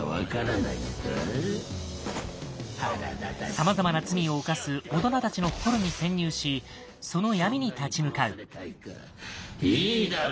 さまざまな罪を犯す大人たちの心に潜入しその闇に立ち向かう。